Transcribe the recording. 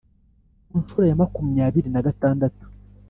Kunshuro ya makumyabiri na gatandatu.